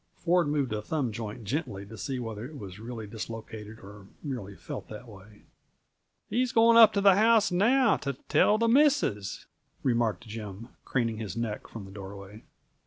Ford moved a thumb joint gently to see whether it was really dislocated or merely felt that way. "He's going up to the house now, to tell the missus," remarked Jim, craning his neck from the doorway.